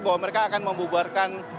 bahwa mereka akan membubarkan